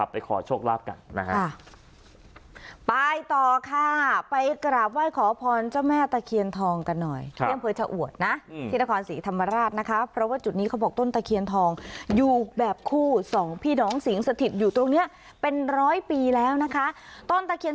ประวัติจุดนี้เขาบอกต้นตะเคียนทองอยู่แบบคู่สองพี่น้องสิงสถิตอยู่ตรงเนี้ยเป็นร้อยปีแล้วนะคะต้นตะเคียน